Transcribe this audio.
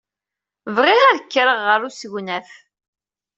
Bɣiɣ ad k-rreɣ ɣer usegnaf.